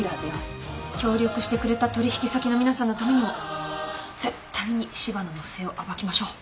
協力してくれた取引先の皆さんのためにも絶対に柴野の不正を暴きましょう。